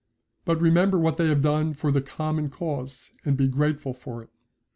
But remember what they have done for the common cause and be grateful for it.